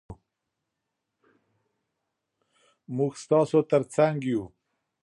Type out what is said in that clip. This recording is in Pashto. موږ ستاسو تر څنګ یو.